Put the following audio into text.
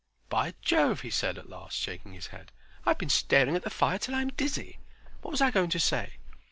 "By Jove!" he said, at last, shaking his head. "I've been staring at the fire till I'm dizzy. What was I going to say?"